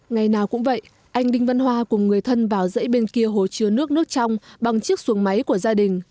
ngày nào cũng vậy anh đinh văn hoa cùng người thân vào dãy bên kia hồ chứa nước nước trong bằng chiếc xuồng máy của gia đình